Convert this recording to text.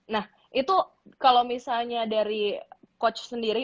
nah itu kalau misalnya dari coach sendiri